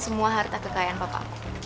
semua harta kekayaan papa